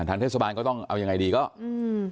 ทางเทศบาลก็ต้องเอายังไงดีก็อืม